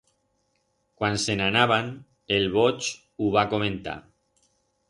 Cuan se'n anaban, el Boch hu va comentar.